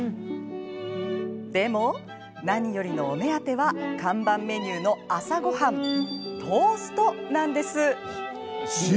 でも、何よりのお目当ては看板メニューの朝ごはんトーストなんです。